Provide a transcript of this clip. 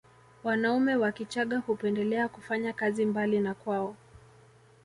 Wanaume wa Kichagga hupendelea kufanya kazi mbali na kwao